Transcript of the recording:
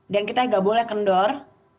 dan kita gak boleh kendor